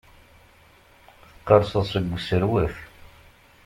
Teqqerṣeḍ seg userwet.